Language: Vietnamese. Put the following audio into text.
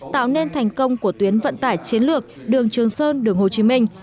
tạo nên thành công của tuyến vận tải chiến lược đường trường sơn đường hồ chí minh